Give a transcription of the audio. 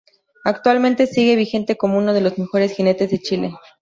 Actualmente sigue vigente como uno de los mejores jinetes de Chile.